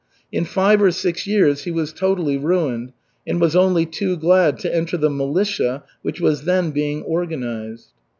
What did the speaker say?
In five or six years he was totally ruined, and was only too glad to enter the militia, which was then being organized.